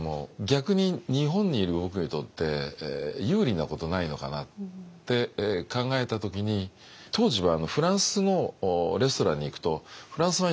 逆に日本にいる僕にとって有利なことないのかなって考えた時に当時はフランスのレストランに行くとフランスワインしか置いてない。